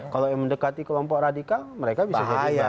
kalau yang mendekati kelompok radikal mereka bisa jadi bahaya